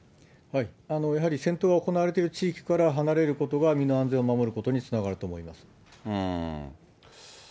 やはり戦闘が行われている地域から離れることが、身の安全を守ることにつながると思います。